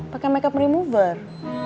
pakai makeup remover